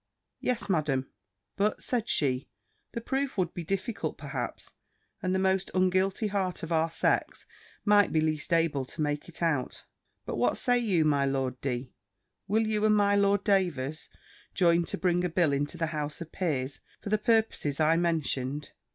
"Yes, madam." "But," said she, "the proof would be difficult perhaps: and the most unguilty heart of our sex might be least able to make it out. But what say you, my Lord D.; will you, and my Lord Davers, join to bring a bill into the House of Peers, for the purposes I mentioned?